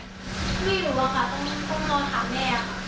ไม่รู้ครับตรงนี้ต้องนอนถามแม่